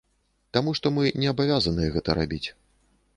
Таму што мы не абавязаныя гэта рабіць.